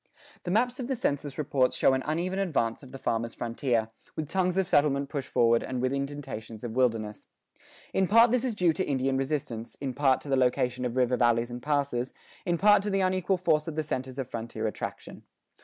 The maps of the census reports show an uneven advance of the farmer's frontier, with tongues of settlement pushed forward and with indentations of wilderness. In part this is due to Indian resistance, in part to the location of river valleys and passes, in part to the unequal force of the centers of frontier attraction.